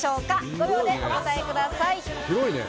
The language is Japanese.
５秒でお答えください。